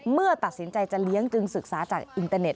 เมื่อตัดสินใจจะเลี้ยงจึงศึกษาจากอินเตอร์เน็